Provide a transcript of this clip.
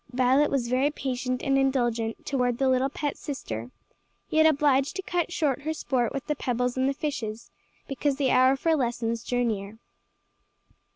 Violet was very patient and indulgent toward the little pet sister, yet obliged to cut short her sport with the pebbles and the fishes, because the hour for lessons drew near.